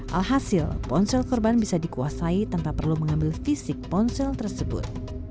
alhasil ponsel korban bisa dikuasai tanpa perlu mengambil fisik ponsel tersebut